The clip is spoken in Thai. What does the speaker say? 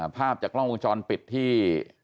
ภาพจากกล้องวงจรปิดที่